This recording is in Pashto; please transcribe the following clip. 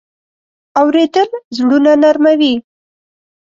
اورېدل زړونه نرمه وي.